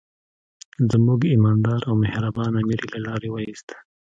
زموږ ایماندار او مهربان امیر یې له لارې وایست.